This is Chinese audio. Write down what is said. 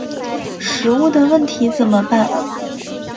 食物的问题怎么办？